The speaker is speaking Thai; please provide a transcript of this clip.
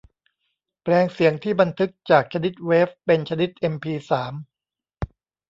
แปลงเสียงที่บันทึกจากชนิดเวฟเป็นชนิดเอ็มพีสาม